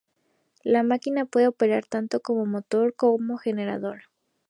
La máquina puede operar tanto como motor o como generador.